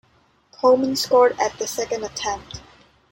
Koeman scored at the second attempt.